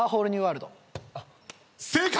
正解！